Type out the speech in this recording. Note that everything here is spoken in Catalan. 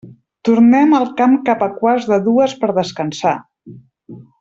Tornem al camp cap a quarts de dues per descansar.